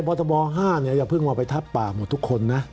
บทบ๕อย่าเพิ่งว่าไปทับป่าหมดทุกคนนะ